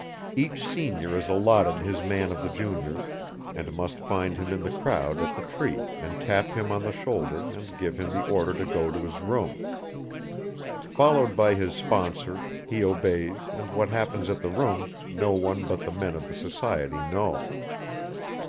Each senior is allotted his man of the juniors, and must find him in the crowd at the tree and tap him on the shoulder and give him the order to go to his room. Followed by his sponsor he obeys and what happens at the room no one but the men of the society know.